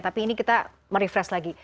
tapi ini kita merefresh lagi